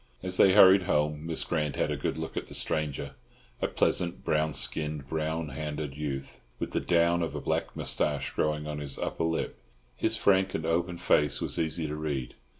As they hurried home, Miss Grant had a good look at the stranger—a pleasant, brown skinned brown handed youth, with the down of a black moustache growing on his upper lip. His frank and open face was easy to read.